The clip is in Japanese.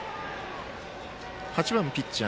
８番、ピッチャー